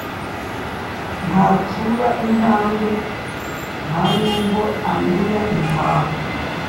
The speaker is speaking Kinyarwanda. Ntatsura intambwe, nta n’ubwo amenya intaho